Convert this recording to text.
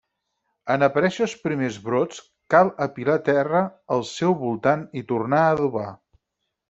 En aparèixer els primers brots, cal apilar terra al seu voltant i tornar a adobar.